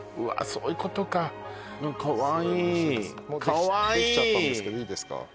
そういうことかかわいいもうできちゃったんですけどいいですか？